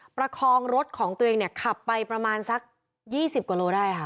ประคองรถของตัวเองเนี่ยขับไปประมาณสัก๒๐กว่าโลได้ค่ะ